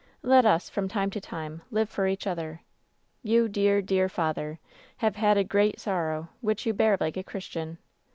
Let us, from time to time, live for each other. You, dear, dear father! have had a great sorrow which you bear like a Christian.